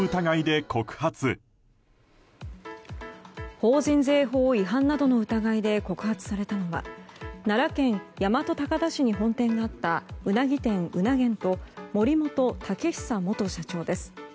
法人税法違反などの疑いで告発されたのは奈良県大和高田市に本店があったウナギ店うな源と森本猛央元社長です。